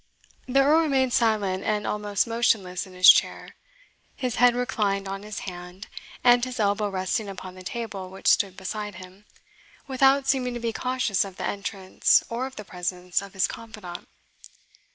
The Earl remained silent and almost motionless in his chair, his head reclined on his hand, and his elbow resting upon the table which stood beside him, without seeming to be conscious of the entrance or of the presence of his confidant.